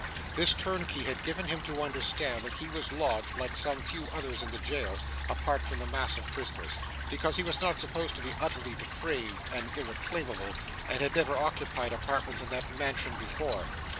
This turnkey had given him to understand that he was lodged, like some few others in the jail, apart from the mass of prisoners; because he was not supposed to be utterly depraved and irreclaimable, and had never occupied apartments in that mansion before.